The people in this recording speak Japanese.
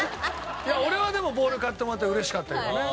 いや俺はでもボール買ってもらって嬉しかったけどね。